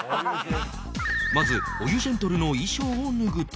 まずお湯ジェントルの衣装を脱ぐと